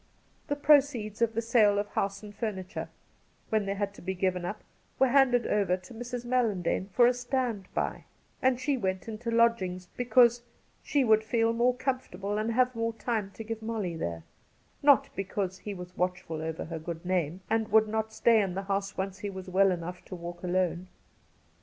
The proceeds of the sale of house and furniture — when they had to be given up — were handed over to Mrs. Mallandane ' for a stknd by,' and she went into lodgings because she ' would feel more com fortable and have more time to give to Molly there' — not because he was watchful over her goqd name and would not stay in the house opce he was well enough to walk alone.